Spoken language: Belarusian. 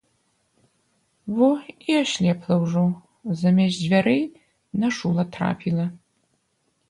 Во і аслепла ўжо, замест дзвярэй на шула трапіла.